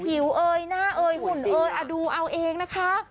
ภิวเอ่ยหน้าเอ๋ยหุ่นเอ๋ยอร่องดูเอาเองนะคะ